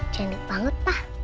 candik banget pak